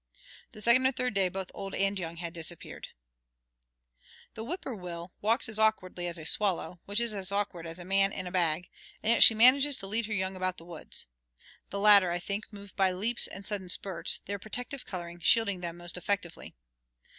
The second or third day both old and young had disappeared. The whippoorwill walks as awkwardly as a swallow, which is as awkward as a man in a bag, and yet she manages to lead her young about the woods. The latter, I think, move by leaps and sudden spurts, their protective coloring shielding them most effectively.